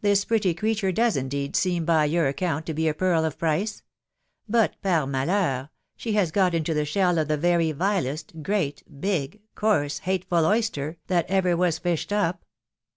This pretty creature, does indeed seem by your account to be a pearl of price; but, par malheur, she has got into the shell 6f the very vilest, great, big, coarse, hateful oyster, that ever was fished up